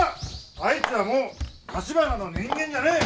あいつはもう橘の人間じゃねえ。